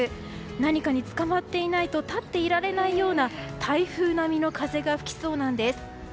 何かにつかまっていないと立っていられないような台風並みの風が吹きそうなんです。